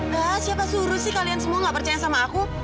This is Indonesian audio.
nah siapa suruh sih kalian semua gak percaya sama aku